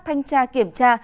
thanh tra kiểm tra